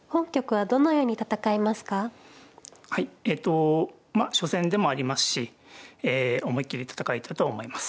はいえとまあ初戦でもありますしえ思いっきり戦いたいと思います。